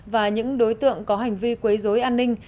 và những đối tượng có hành vi quấy dối an ninh